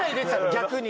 逆に。